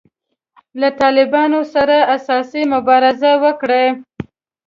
له طالبانو سره اساسي مبارزه وکړي.